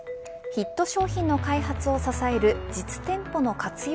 ヒット商品の開発を支える実店舗の活用